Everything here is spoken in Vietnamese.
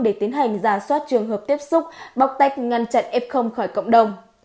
để tiến hành giả soát trường hợp tiếp xúc bóc tách ngăn chặn f khỏi cộng đồng